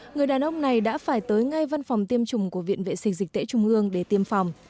người đàn ông này đã phải tới ngay văn phòng tiêm chủng của viện vệ sinh dịch tễ trung ương để tiêm phòng